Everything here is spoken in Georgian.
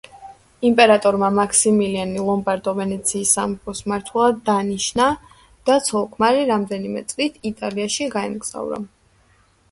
იმპერატორმა მაქსიმილიანი ლომბარდო-ვენეციის სამეფოს მმართველად დანიშნა და ცოლ-ქმარი რამდენიმე წლით იტალიაში გაემგზავრა.